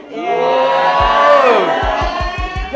jangan lupa terakhirannya